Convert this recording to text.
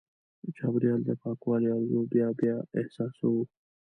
د چاپېریال د پاکوالي ارزو بیا بیا احساسوو.